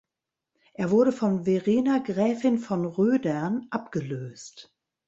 Er wurde von Verena Gräfin von Roedern abgelöst.